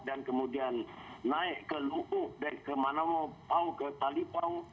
dan kemudian naik ke lu'uh ke manawau ke talipang